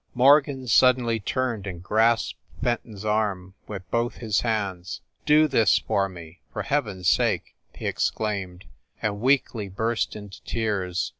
Morgan suddenly turned and grasped Fenton s arm with both his hands. "Do this for me, for Heaven s sake," he exclaimed, and weakly burst into tears.